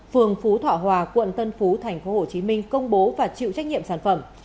phường phú thọ hòa quận tân phú tp hcm công bố và chịu trách nhiệm sản phẩm